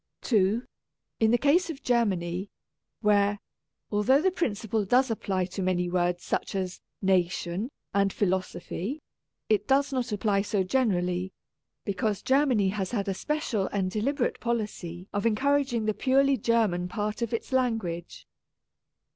(2) In the case of Germany, where, although the principle does apply to many words such as *' nation " and " phi losophy," it does not apply so generally, because Germany has had a special and de liberate policy of encouraging the purely German part of its language.